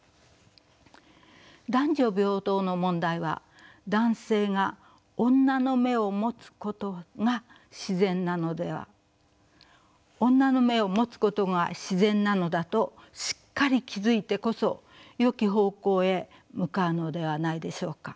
男女平等の問題は男性が女の眼を持つことが自然なのだとしっかり気付いてこそよき方向へ向かうのではないでしょうか。